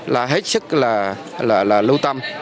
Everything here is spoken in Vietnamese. là hết sức là lưu tâm